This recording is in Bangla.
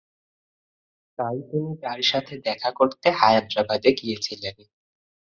তাই তিনি তাঁর সাথে দেখা করতে হায়দরাবাদে গিয়েছিলেন।